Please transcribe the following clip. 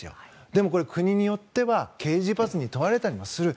でもこれ、国によっては刑事罰に問われたりもする。